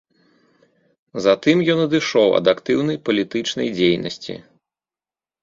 Затым ён адышоў ад актыўнай палітычнай дзейнасці.